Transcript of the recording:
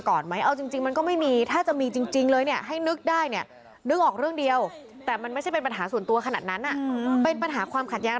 ของพ่อแม่ซึ่งมันเป็นปัญหาที่จบไปหลายปีแล้ว